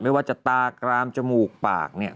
ไม่ว่าจะตากรามจมูกปากเนี่ย